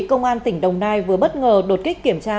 công an tỉnh đồng nai vừa bất ngờ đột kích kiểm tra